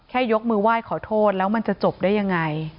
ยกมือไหว้ขอโทษแล้วมันจะจบได้ยังไง